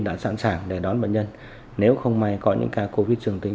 đã sẵn sàng để đón bệnh nhân nếu không may có những ca covid trường tính